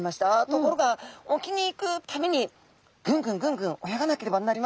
ところが沖に行くためにぐんぐんぐんぐん泳がなければなりません。